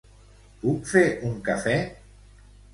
Puc fer un cafè?